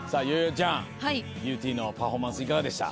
ちゃんビューティーのパフォーマンスいかがでした？